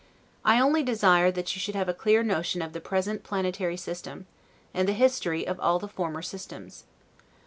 I only desire that you should have a clear notion of the present planetary system, and the history of all the former systems.